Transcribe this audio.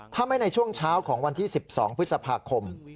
ถ้าไม่ในช่วงเช้าของวันที่๑๒พฤษภาคม